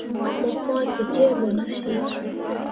Mo pwãa tekǝbo nah sǝǝ.